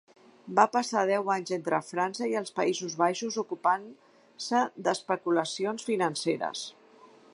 Va passar deu anys entre França i els Països Baixos ocupant-se d'especulacions financeres.